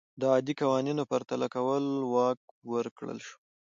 د عادي قوانینو پرتله کولو واک ورکړل شو.